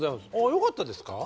よかったですか？